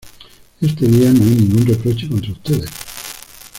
Este día no hay ningún reproche contra ustedes.